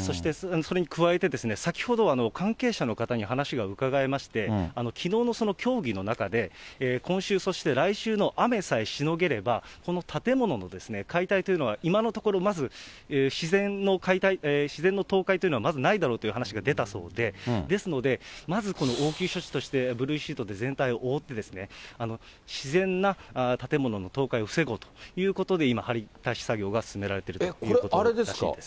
そしてそれに加えて、先ほど、関係者の方に話が伺えまして、きのうの協議の中で、今週、そして来週の雨さえしのげれば、この建物の解体というのは、今のところまず自然の倒壊というのはまずないだろうという話が出たそうで、ですので、まずこの応急処置として、ブルーシートで全体を覆って、自然な建物の倒壊を防ごうということで、今、張り足し作業が進められているということらしいです。